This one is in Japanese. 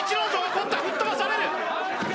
吹っ飛ばされる！